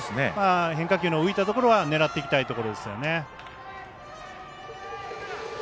変化球の浮いたところは狙っていきたいですね。